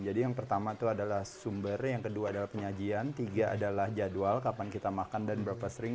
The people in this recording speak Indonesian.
jadi yang pertama itu adalah sumber yang kedua adalah penyajian tiga adalah jadwal kapan kita makan dan berapa sering